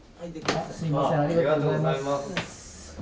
あっすみませんありがとうございます。